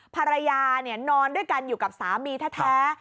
ภรรยานอนด้วยกันอยู่กับสามีแท้